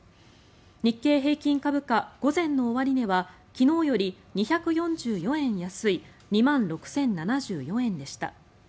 日経平均株価、午前の終値は昨日より２４４円安い２万６０７４円でした。